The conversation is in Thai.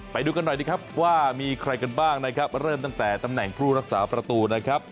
ไปดูกันหน่อยดีครับว่ามีใครกันบ้างนะครับเริ่มตั้งแต่ตำแหน่งผู้รักษาประตูนะครับ